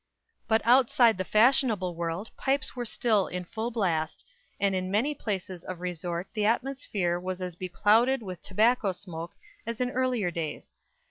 But outside the fashionable world pipes were still in full blast, and in many places of resort the atmosphere was as beclouded with tobacco smoke as in earlier days.